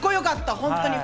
本当に。